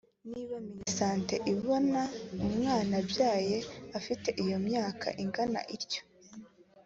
niba Minisante ibonye umwana abyaye afite iyo myaka ingana ityo